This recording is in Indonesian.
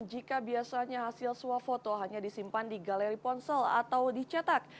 jika biasanya hasil swafoto hanya disimpan di galeri ponsel atau dicetak